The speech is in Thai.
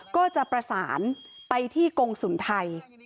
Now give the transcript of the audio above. ก็จะประสานไปที่กรงศูนย์ไทย